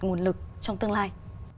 nguồn lực trong tương lai